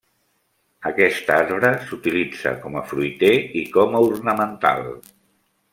Aquest arbre s'utilitza com a fruiter i com a ornamental.